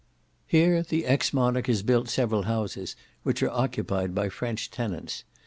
Here the ex monarch has built several houses, which are occupied by French tenants.